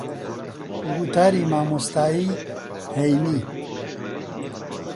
وتاری مامۆستایی هەینی